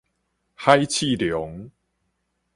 海刺龍